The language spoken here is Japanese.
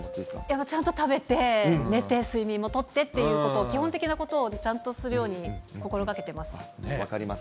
ちゃんと食べて、寝て、睡眠もとってっていうことを、基本的なことをちゃんとするよう分かります。